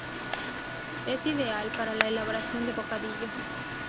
Es ideal para la elaboración de bocadillos.